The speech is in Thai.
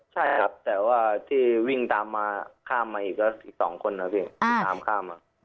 ใช่ครับแต่ว่าที่วิ่งตามมาข้ามมาอีกก็อีก๒คนครับพี่